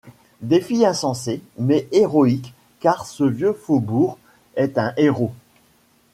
Défi insensé, mais héroïque, car ce vieux faubourg est un héros.